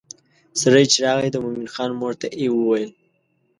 سړی چې راغی د مومن خان مور ته یې وویل.